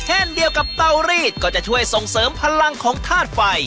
เช่นเดียวกับเตารีดก็จะช่วยส่งเสริมพลังของธาตุไฟ